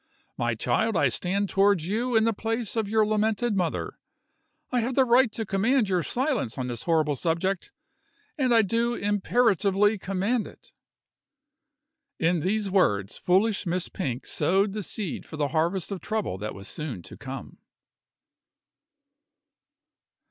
My child, I stand towards you in the place of your lamented mother; I have the right to command your silence on this horrible subject, and I do imperatively command it." In these words foolish Miss Pink sowed the seed for the harvest of trouble that was soon to come.